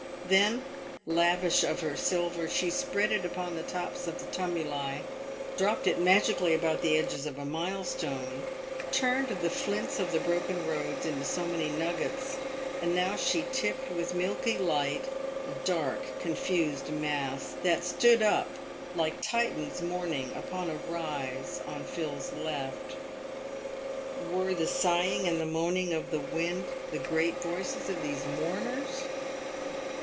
Then, lavish of her silver, she spread it upon the tops of the tumuli, dropped it magically about the edges of a milestone, turned the flints of the broken roads into so many nuggets ; and now she tipped with milky light a dark, confused mass, that stood up, like Titans mourning, upon a rise on Phil's left. "Were the sigh ing and moaning of the wind the great voices of these mourners